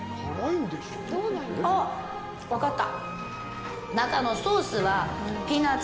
おっ、分かった！